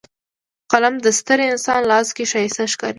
قلم د ستر انسان لاس کې ښایسته ښکاري